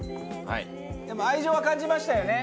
でも愛情は感じましたよね